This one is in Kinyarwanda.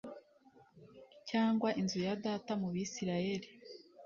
cyangwa inzu ya data mu Bisirayeli?